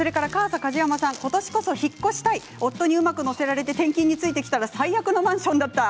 今年こそ引っ越したい夫にうまく乗せられて転勤についてきたら最悪なマンションだった。